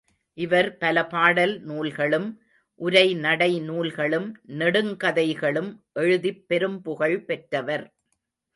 இவர் பல பாடல் நூல்களும், உரைநடை நூல்களும், நெடுங்கதைகளும் எழுதிப் பெரும் புகழ் பெற்றவர்.